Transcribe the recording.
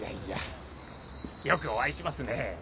よくお会いしますね。